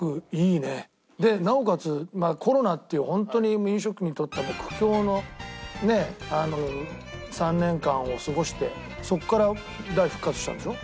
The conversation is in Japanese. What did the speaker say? でなおかつコロナっていう本当に飲食にとっては苦境の３年間を過ごしてそこから大復活したんでしょ？